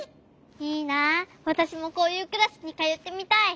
いいなわたしもこういうクラスにかよってみたい。